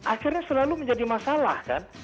akhirnya selalu menjadi masalah kan